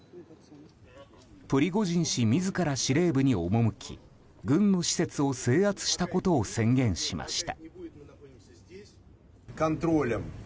プリゴジン氏自ら司令部に赴き軍の施設を制圧したことを宣言しました。